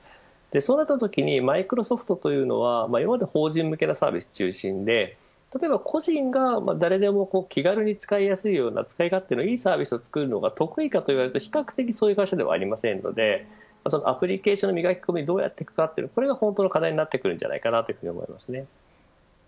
そうなったときにマイクロソフトは今まで法人向けのサービスが中心で個人が誰でも気軽に使えるような使い勝手のいいサービスをつくるのが得意かと言われると比較的そういう場所ではありませんのでアプリケーションの磨き込みをどうやっていくのかが課題になってくると思います。